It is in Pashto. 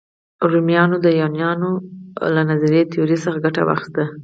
رومیانو د یونانیانو له نظري تیوري څخه ګټه واخیسته.